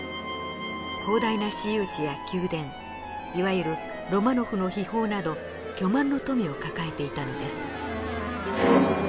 広大な私有地や宮殿いわゆるロマノフの秘宝など巨万の富を抱えていたのです。